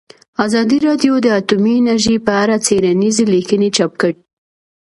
ازادي راډیو د اټومي انرژي په اړه څېړنیزې لیکنې چاپ کړي.